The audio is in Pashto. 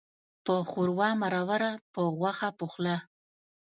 په ښوروا مروره، په غوښه پخلا.